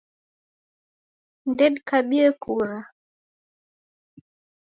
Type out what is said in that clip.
Ndedikabie kura